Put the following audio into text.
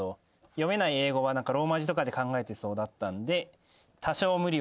読めない英語はローマ字とかで考えてそうだったんで。